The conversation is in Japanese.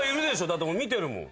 だって見てるもん。